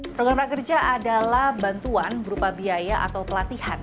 program prakerja adalah bantuan berupa biaya atau pelatihan